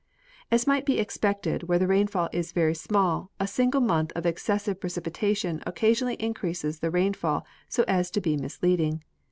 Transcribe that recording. As might be expected where the rainfall is very small, a single month of excessive precipitation occasionally increases the rain fall so as to be misleading.